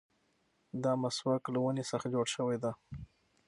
دا مسواک له ونې څخه جوړ شوی دی.